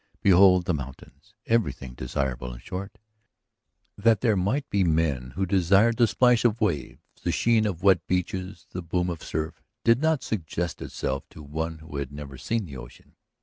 Behold the mountains. Everything desirable, in short. That there might be men who desired the splash of waves, the sheen of wet beaches, the boom of surf, did not suggest itself to one who had never seen the ocean.